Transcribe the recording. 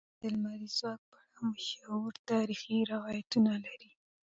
افغانستان د لمریز ځواک په اړه مشهور تاریخی روایتونه لري.